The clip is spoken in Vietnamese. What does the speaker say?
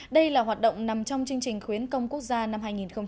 đây là hoạt động nằm trong chương trình khuyến công quốc gia năm hai nghìn một mươi chín